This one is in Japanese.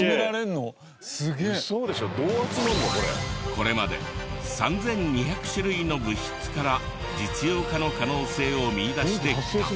これまで３２００種類の物質から実用化の可能性を見いだしてきた。